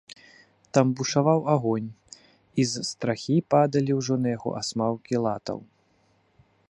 Там бушаваў агонь, і з страхі падалі ўжо на яго асмалкі латаў.